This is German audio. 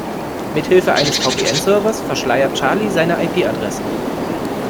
Mithilfe eines VPN-Servers verschleiert Charlie seine IP-Adresse.